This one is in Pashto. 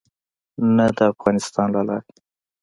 نه د افغانستان له لارې.